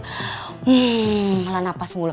hmm helah napas mulut